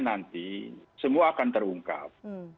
nanti semua akan terungkap